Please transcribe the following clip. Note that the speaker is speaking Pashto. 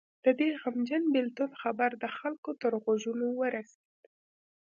د دې غمجن بېلتون خبر د خلکو تر غوږونو ورسېد.